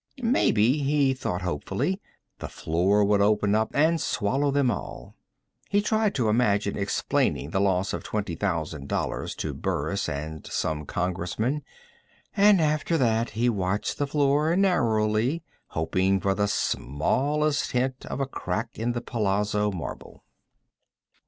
Maybe, he thought hopefully, the floor would open up and swallow them all. He tried to imagine explaining the loss of twenty thousand dollars to Burris and some congressmen, and after that he watched the floor narrowly, hoping for the smallest hint of a crack in the palazzo marble.